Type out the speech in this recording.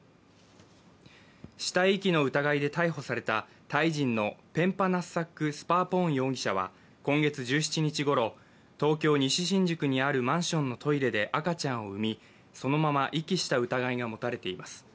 死体遺棄の疑いで逮捕されたタイ人のペンパナッサック・スパーポーン容疑者は今月１７日ごろ東京・西新宿にあるマンションのトイレで赤ちゃんを産みそのまま遺棄した疑いが持たれています。